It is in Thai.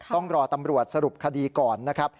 ต้องรอตำรวจสรุปคดีก่อนนะครับ